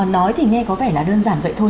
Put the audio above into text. nói thì nghe có vẻ là đơn giản vậy thôi